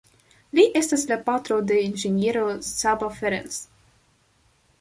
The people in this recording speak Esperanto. Li estas la patro de inĝeniero Csaba Ferencz.